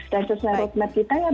dan sesuai roadmap kita ya